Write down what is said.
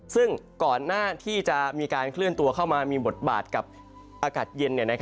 ซึ่งก่อนหน้าที่จะมีการเคลื่อนตัวเข้ามามีบทบาทกับอากาศเย็น